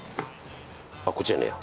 あっこっちじゃねえや。